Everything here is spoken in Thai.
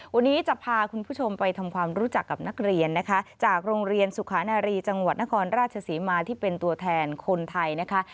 วันนี้จะพาคุณผู้ชมไปทำความรู้จักกับนักเรียนนะคะจากโรงเรียนสุขานารีจังหวัดนครราชศรีมาที่เป็นตัวแทนคนไทยนะคะ